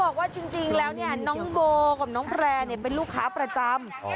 กลัวแม่ค้าถาม